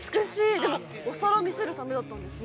でも、お皿を見せるためだったんですね。